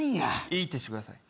いーってしてください。